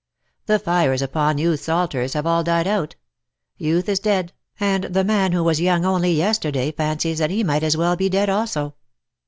The fires upon youth^s altars have all died out — youth is dead, and the man who was young only yesterday fancies that he might as well be dead also.